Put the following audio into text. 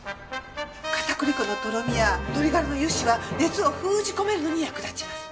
片栗粉のとろみや鶏がらの油脂は熱を封じ込めるのに役立ちます。